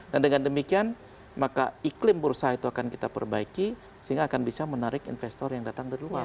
dan dengan demikian maka iklim berusaha itu akan kita perbaiki sehingga akan bisa menarik investor yang datang dari luar